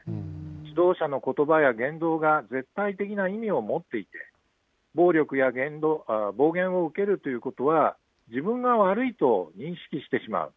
指導者のことばや言動が絶対的な意味を持っていて、暴力や暴言を受けるということは、自分が悪いと認識してしまう。